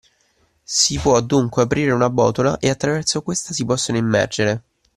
Si può dunque aprire una botola e attraverso questa si possono immergere